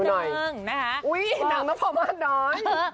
หนังน้ำพอม่านน้อย